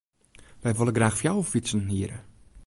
Wy wolle graach fjouwer fytsen hiere.